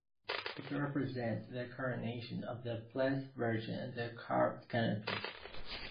It represents the coronation of the Blessed Virgin under a carved canopy.